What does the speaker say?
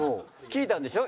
聞いたんでしょ？